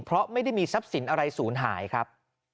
เพราะไม่ได้มีทรัพย์สินอะไรศูนย์หายครับ